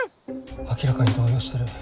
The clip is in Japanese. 明らかに動揺してる。